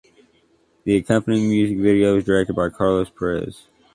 The accompanying music video was directed by Carlos Perez.